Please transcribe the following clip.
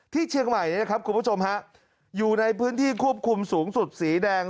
ที่เชียงใหม่คุณผู้ชมครับอยู่ในพื้นที่ควบคุมสูงสุดสีแดง